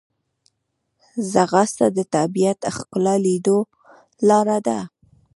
ځغاسته د طبیعت ښکلا لیدو لاره ده